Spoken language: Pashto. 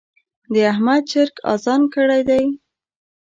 د احمد چرګ اذان کړی دی.